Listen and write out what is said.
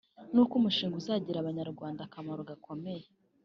ni uko uyumushinga uzagirira abanyarwanda akamaro gakomeye